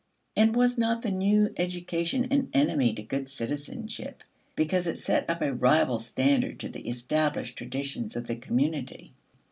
And was not the new education an enemy to good citizenship, because it set up a rival standard to the established traditions of the community?